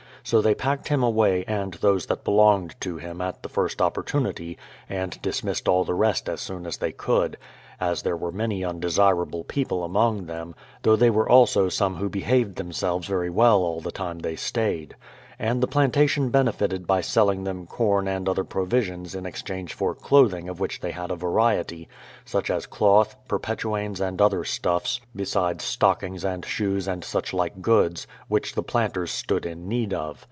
So they packed him away and those that belonged to him at the first oppor tunity, and dismissed all the rest as soon as they could. 182 BRADFORD'S HISTORY OF as there were many undesirable people among them, though they were also some who behaved themselves very well all the time they stayed. And the plantation benefited by selling them corn and other provisions in exchange for clothing of which they had a variety, such as cloth, perpetuanes and other stuffs, besides stockings and shoes and such like goods, which the planters stood in need of.